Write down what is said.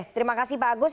terima kasih pak agus